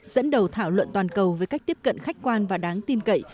dẫn đầu thảo luận toàn cầu với cách tiếp cận khách quan và đáng tin cậy